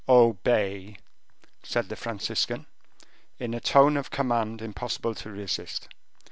"Obey," said the Franciscan, in a tone of command impossible to resist.